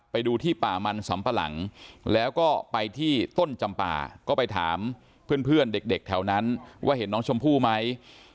ไปดูที่ป่ามันสำปะหลังแล้วก็ไปที่ต้นจำป่าก็ไปถามเพื่อนเด็กแถวนั้นว่าเห็นน้องชมพู่ไหม